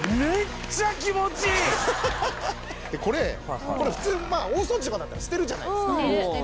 これ普通大掃除とかだったら捨てるじゃないですか